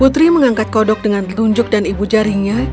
putri mengangkat kodok dengan telunjuk dan ibu jaringnya